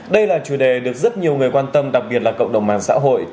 đây là chủ đề được rất nhiều người quan tâm đặc biệt là cộng đồng mạng xã hội